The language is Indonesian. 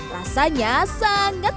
rasanya sangat menarik